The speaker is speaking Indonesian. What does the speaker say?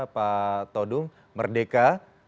pak todung merdeka